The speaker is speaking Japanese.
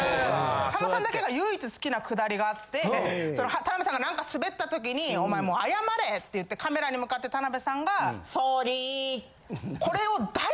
さんまさんだけが唯一好きなくだりがあって田辺さんが何かスベった時に「お前もう謝れ」って言ってカメラに向かって田辺さんが。